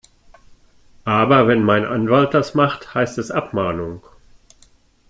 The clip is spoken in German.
Aber wenn mein Anwalt das macht, heißt es Abmahnung.